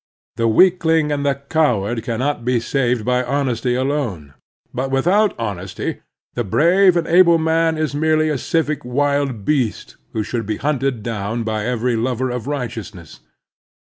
The weakling and the coward cannot be saved by honesty alone; but without honesty the brave and able man is merely a civic wild beast who should be hunted down by every lover of right eotisness.